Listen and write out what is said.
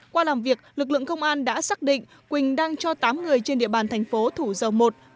qua làm việc lực lượng công an đã xác định quỳnh đang cho tám người trên địa bàn thành phố thủ dầu một